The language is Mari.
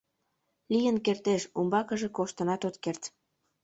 Лийын кертеш — умбакыже коштынат от керт.